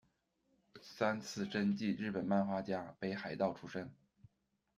三次真纪，日本漫画家，北海道出身。